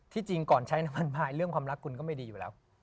จริงก่อนใช้น้ำมันพายเรื่องความรักคุณก็ไม่ดีอยู่แล้ว